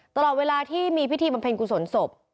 ตลอดเวลาที่มีพิธีบำเพ็ญกุศลศพ